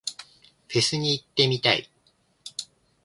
フェスに行ってみたい。